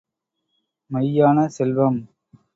மெய்யான செல்வம் ….